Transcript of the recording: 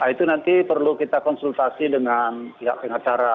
itu nanti perlu kita konsultasi dengan pihak pengacara